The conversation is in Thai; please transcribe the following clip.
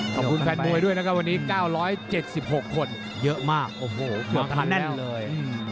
ขอบคุณแฟนมวยด้วยนะครับวันนี้เก้าร้อยเจ็ดสิบหกคนเยอะมากโอ้โฮเพลิงผ่านแน่นเลย